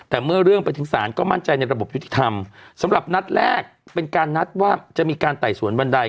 แต่เมื่อเรื่องไปถึงศาลก็มั่นใจในระบบยุติธรรมสำหรับนัดแรกเป็นการนัดว่าจะมีการไต่สวนวันใด